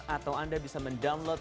atau anda bisa menikmati di youtube